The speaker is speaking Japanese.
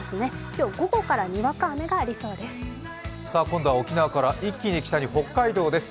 今日午後からにわか雨がありそうです。